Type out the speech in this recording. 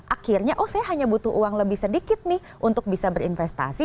akhirnya oh saya hanya butuh uang lebih sedikit nih untuk bisa berinvestasi